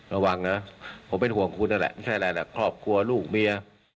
ระวังนะผมเป็นห่วงคุณนั่นแหละไม่ใช่อะไรแหละครอบครัวลูกเมีย